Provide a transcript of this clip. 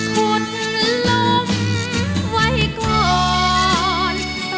คุณลงไว้ก่อน